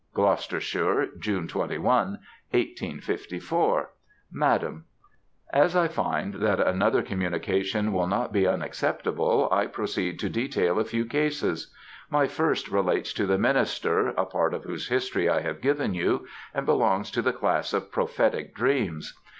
Gloucestershire, June 21, 1854. MADAM, As I find that another communication will not be unacceptable, I proceed to detail a few cases. My first relates to the minister, a part of whose history I have given you, and belongs to the class of prophetic dreams.